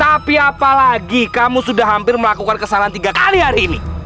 tapi apalagi kamu sudah hampir melakukan kesalahan tiga kali hari ini